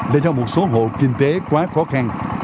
là do một số hộ kinh tế quá khó khăn